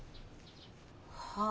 はあ。